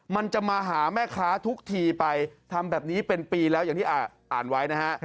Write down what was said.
มันจะมาหาแม่ค้าทุกทีไปทำแบบนี้เป็นปีแล้วอย่างที่อ่านไว้นะฮะ